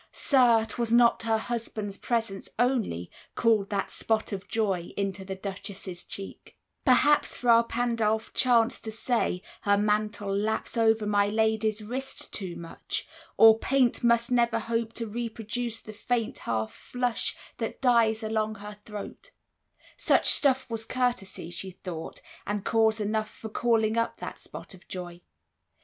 Sir, 'twas not Her husband's presence only, called that spot Of joy into the Duchess' cheek: perhaps Fra Pandolf chanced to say "Her mantle laps Over my lady's wrist too much," or "Paint Must never hope to reproduce the faint Half flush that dies along her throat"; such stuff Was courtesy, she thought, and cause enough 20 For calling up that spot of joy.